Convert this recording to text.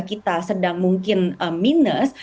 kita sedang mungkin minus